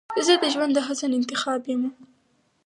زه دژوند د حسن انتخاب یمه